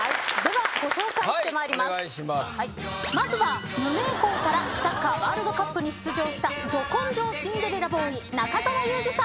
まずは無名校からサッカーワールドカップに出場したど根性シンデレラボーイ中澤佑二さん。